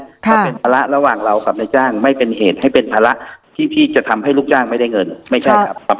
ถ้าเป็นภาระระหว่างเรากับนายจ้างไม่เป็นเหตุให้เป็นภาระที่พี่จะทำให้ลูกจ้างไม่ได้เงินไม่ใช่ครับ